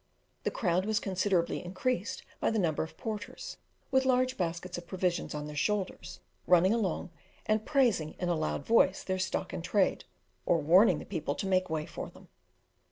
The crowd was considerably increased by the number of porters, with large baskets of provisions on their shoulders, running along, and praising in a loud voice their stock in trade, or warning the people to make way for them.